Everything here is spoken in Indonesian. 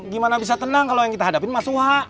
gimana bisa tenang kalau yang kita hadapin mas suha